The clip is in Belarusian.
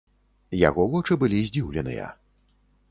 Яго вочы былі здзіўленыя.